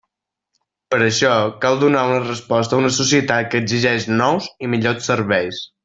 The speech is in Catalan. Per això, cal donar una resposta a una societat que exigeix nous i millors serveis.